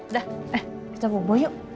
dah eh kita bobo yuk